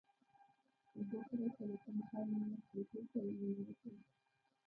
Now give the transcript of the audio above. اوبه پرته له کوم خنډ نه کوټې ته ورننوتې.